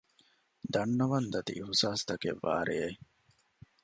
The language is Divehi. ދަންނަވަން ދަތި އިހުސާސްތަކެއް ވާ ރެއެއް